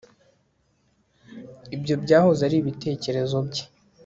Ibyo byahoze ari ibitekerezo bye